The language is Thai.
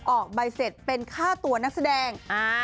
ออกใบเสร็จเป็นค่าตัวนักแสดง